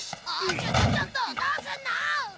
ちょっちょっとどうするの？